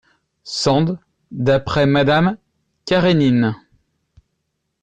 Sand d'après Madame Karénine.